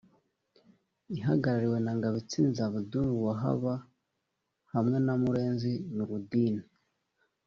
ihagarariwe na Ngabitsinze Abdul Wahab hamwe na Murenzi Nurudine